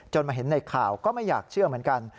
มาเห็นในข่าวก็ไม่อยากเชื่อเหมือนกัน